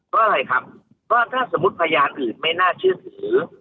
ก็อะไรครับก็ถ้าสมมุติพยานอื่นไม่น่าเชื่อถือ